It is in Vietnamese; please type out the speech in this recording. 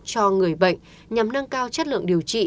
cho người bệnh nhằm nâng cao chất lượng điều trị